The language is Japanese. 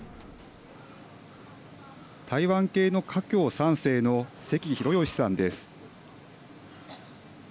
台湾系の華僑３世の関廣佳さんです。